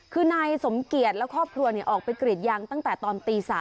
คือนายสมเกียจและครอบครัวออกไปกรีดยางตั้งแต่ตอนตี๓